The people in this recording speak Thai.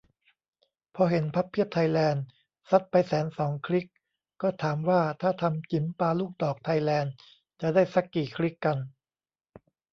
พอเห็น "พับเพียบไทยแลนด์" ซัดไปแสนสองคลิก ก็ถามว่า ถ้าทำ "จิ๋มปาลูกดอกไทยแลนด์" จะได้ซักกี่คลิกกัน ?